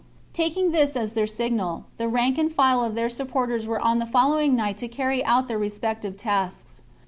Taking this as their signal, the rank and file of their supporters were on the following night to carry out their respective tasks.